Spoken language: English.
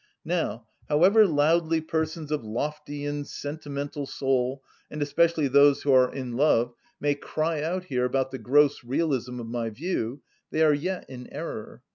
Now, however loudly persons of lofty and sentimental soul, and especially those who are in love, may cry out here about the gross realism of my view, they are yet in error.